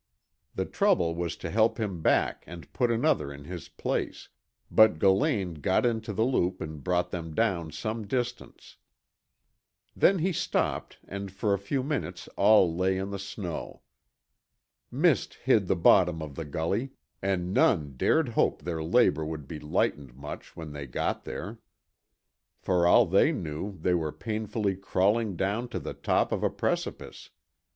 The trouble was to help him back and put another in his place, but Gillane got into the loop and brought them down some distance. Then he stopped and for a few minutes all lay in the snow. Mist hid the bottom of the gully and none dared hope their labor would be lightened much when they got there. For all they knew they were painfully crawling down to the top of a precipice.